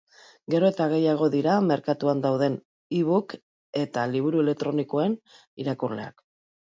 Gero eta gehiago dira merkatuan dauden ebook eta liburu elektronikoen irakurleak.